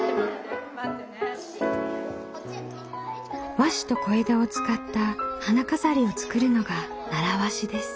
和紙と小枝を使った花飾りを作るのが習わしです。